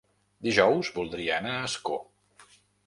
Dijous voldria anar a Ascó.